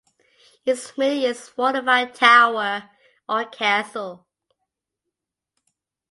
Its meaning is "fortified tower" or "castle".